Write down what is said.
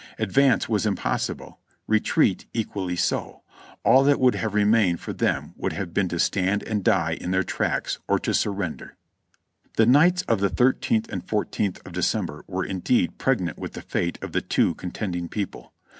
Advance was impossible; retreat equally so; all that would have remained for them wound have been to stand and die in their tracks or to sur render. The nights of the thirteenth and fourteenth of December were indeed pregnant with the fate of the two contending people.